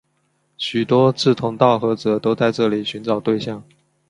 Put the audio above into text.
许多志同道合者都在这里寻找对象。